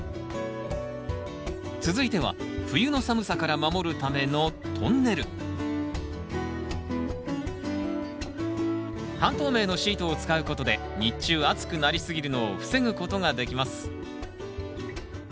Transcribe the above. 続いては冬の寒さから守るためのトンネル半透明のシートを使うことで日中暑くなりすぎるのを防ぐことができます。